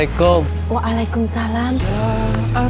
akhirnya azan ini berhenti juga